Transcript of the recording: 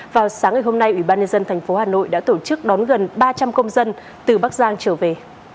vào sáng ngày hôm nay ủy ban nhân dân tp hà nội đã tổ chức đón gần ba trăm linh công dân từ bắc giang trở về